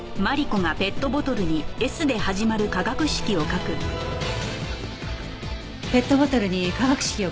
ペットボトルに化学式を書いて送ります。